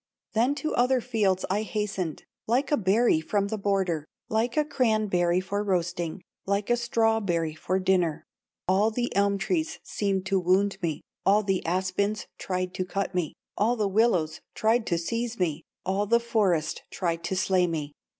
"Then to other fields I hastened, Like a berry from the border, Like a cranberry for roasting, Like a strawberry for dinner; All the elm trees seemed to wound me, All the aspens tried to cut me, All the willows tried to seize me, All the forest tried to slay me.